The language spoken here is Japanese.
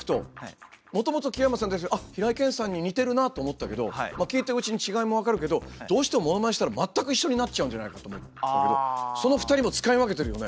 もともと木山さんって平井堅さんに似てるなって思ったけどまあ聴いているうちに違いも分かるけどどうしてもモノマネしたら全く一緒になっちゃうんじゃないかと思ったけどその２人も使い分けてるよね？